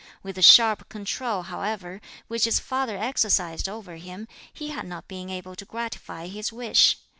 With the sharp control, however, which his father exercised over him, he had not been able to gratify his wish.